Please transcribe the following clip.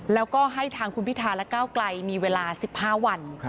แล้วก็ให้ทางคุณพิธาและก้าวไกลมีเวลา๑๕วัน